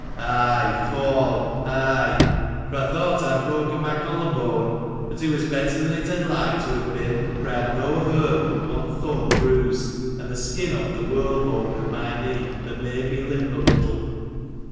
— Ay, fall, ay : for I thought I had broken my collar bone ; but, it was better than it had like to have been ; for, I had no hurt but one thumb bruised, and the skin off the whirl bone of my knee, that made me limp a little.